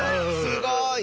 すごい！